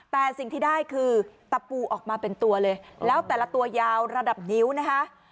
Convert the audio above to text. แต่สิ่งที่ได้คือตะปูออกมาเป็นตัวเลยแล้วแต่ละตัวยาวระดับนิ้วนะคะ